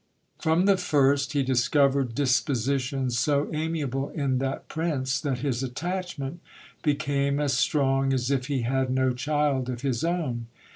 From the first, he discovered dispositions so amiable in that prince, that his attachment became as strong as if he had no child of his own.